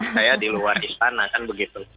saya di luar istana kan begitu